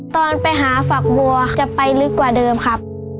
ตอนไปหาฝักบัวจะไปลึกกว่าเดิมครับ